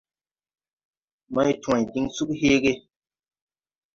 Mày tway diŋ sug heege.